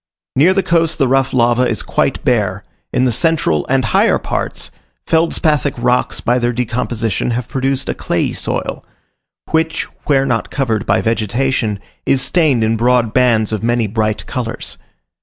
Near the coast the rough lava is quite bare: in the central and higher parts, feldspathic rocks by their decomposition have produced a clayey soil, which, where not covered by vegetation, is stained in broad bands of many bright colours.